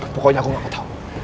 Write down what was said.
pokoknya aku gak tau